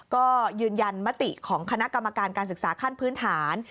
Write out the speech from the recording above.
ก็ยืนยันมติของคณะกรรมการการศึกษาขั้นพื้นฐาน